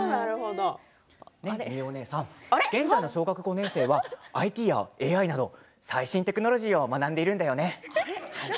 ミウお姉さん現在の小学５年生はＩＴやＡＩなど最新テクノロジーを学んでいるんだよね。